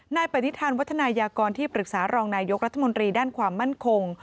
ปณิธานวัฒนายากรที่ปรึกษารองนายกรัฐมนตรีด้านความมั่นคง